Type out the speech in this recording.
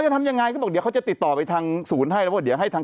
จะทำยังไงเขาบอกเดี๋ยวเขาจะติดต่อไปทางศูนย์ให้แล้วว่าเดี๋ยวให้ทาง